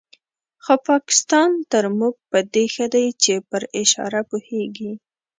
خو پاکستان تر موږ په دې ښه دی چې پر اشاره پوهېږي.